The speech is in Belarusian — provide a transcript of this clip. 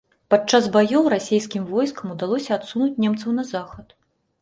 Падчас баёў расейскім войскам удалося адсунуць немцаў на захад.